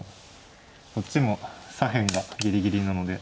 こっちも左辺がギリギリなので。